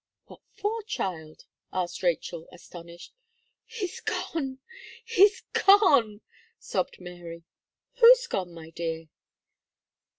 "What for, child?" asked Rachel astonished. "He's gone he's gone!" sobbed Mary. "Who is gone, my dear?"